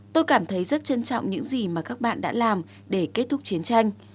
tôi cảm thấy rất trân trọng những gì mà các bạn đã làm để kết thúc chiến tranh